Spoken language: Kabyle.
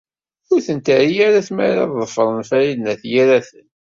Ur ten-terri tmara ad ḍefren Farid n At Yiraten.